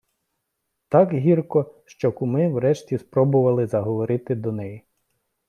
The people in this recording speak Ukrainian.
Так гірко, що куми врешті спробували заговорити до неї.